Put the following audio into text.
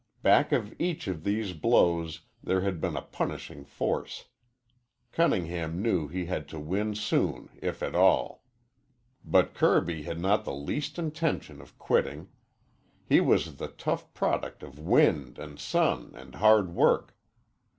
Back of each of these blows there had been a punishing force. Cunningham knew he had to win soon if at all. But Kirby had not the least intention of quitting. He was the tough product of wind and sun and hard work.